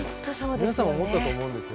皆さん思ったと思うんですよね。